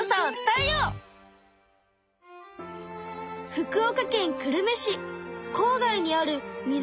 福岡県久留米市こう外にあるみづ